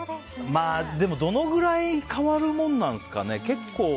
でも、どのくらい変わるもんなんですかね？